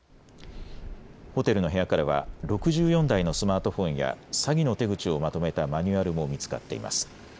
ホテルの部屋からは６４台のスマートフォンや詐欺の手口をまとめたマニュアルも見つかっています。